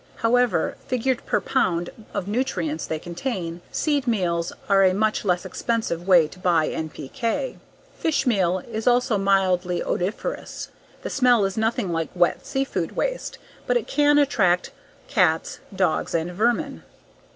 However, figured per pound of nutrients they contain, seed meals are a much less expensive way to buy NPK. Fish meal is also mildly odoriferous. The smell is nothing like wet seafood waste, but it can attract cats, dogs, and vermin.